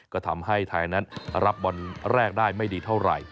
ก็ทำให้ไทยนั้นรับบอลแรกได้ไม่ดีเท่าไหร่